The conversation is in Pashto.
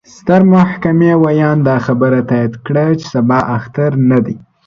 ستر محكمې وياند: دا خبره تايد کړه، چې سبا اختر نه دې.